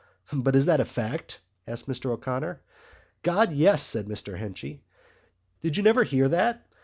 "But is that a fact?" asked Mr O'Connor. "God, yes," said Mr Henchy. "Did you never hear that?